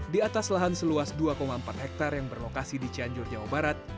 di atas lahan seluas dua empat hektare yang berlokasi di cianjur jawa barat